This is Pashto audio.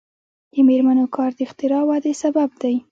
د میرمنو کار د اختراع ودې سبب دی.